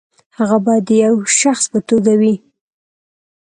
هغه باید د یوه شخص په توګه وي.